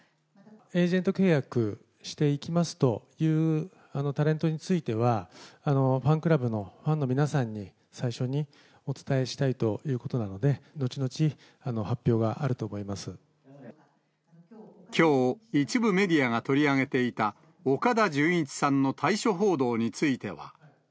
エージェント契約していきますというタレントについては、ファンクラブのファンの皆さんに、最初にお伝えしたいということなので、きょう、一部メディアが取り上げていた岡田准一さんの退所報道については。